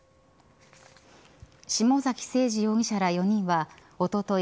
下崎星児容疑者ら４人はおととい